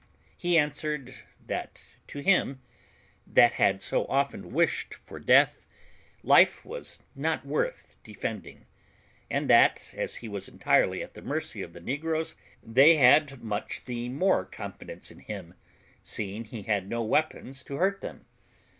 He answered, that to him, that had so often wished for death, life was not worth defending; and that, as he was entirely at the mercy of the negroes, they had much the more confidence in him, seeing he had no weapons to hurt them.